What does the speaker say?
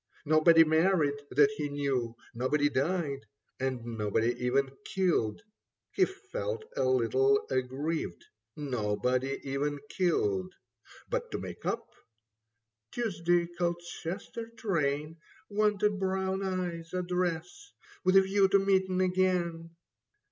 Nobody married that he knew. Nobody died and nobody even killed ; He felt a little aggrieved — Nobody even killed. But, to make up :" Tuesday, Colchester train : Wanted Brown Eyes' address, with a view to meeting again.